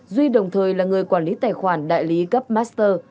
duy đồng thời là người quản lý tài khoản đại lý cấp master